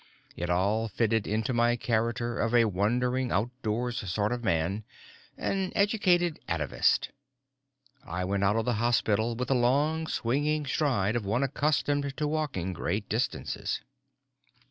It all fitted into my character of a wandering, outdoors sort of man, an educated atavist. I went out of the hospital with the long swinging stride of one accustomed to walking great distances.